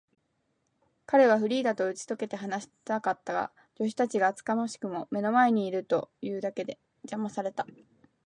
彼はフリーダとうちとけて話したかったが、助手たちが厚かましくも目の前にいるというだけで、じゃまされた。